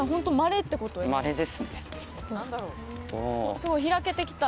すごい開けてきた。